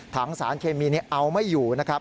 สารเคมีเอาไม่อยู่นะครับ